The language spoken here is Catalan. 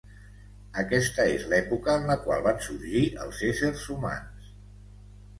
Aquesta és l'època en la qual van sorgir els éssers humans.